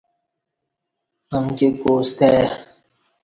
امکی کوو ستہ آئی